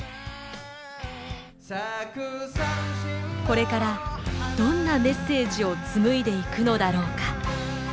これからどんなメッセージを紡いでいくのだろうか。